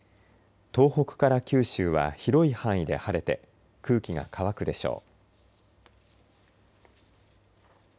東北から九州は広い範囲で晴れて空気が乾くでしょう。